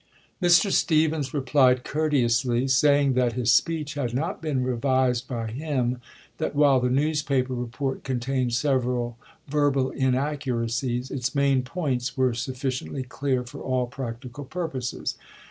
Mr. Stephens replied courteously, saying that his speech had not been revised by him; that while the newspaper report contained several verbal inaccuracies, its main points were suffi ciently clear for all practical purposes.